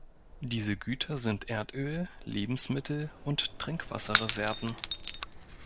Diese Güter sind Erdöl, Lebensmittel und Trinkwasserreserven.